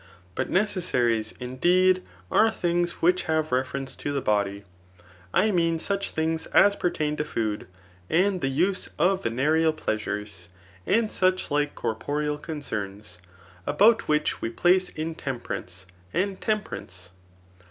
But necessaries, indeed, are things which have reference to the bo^y ; I mean such tilings as pertain to food, and the use of venereal plea* sures, and such like corporeal concerns, about which we place intemperance and temperance.